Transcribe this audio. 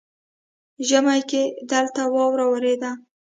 ژمي کې دلته واوره ورېده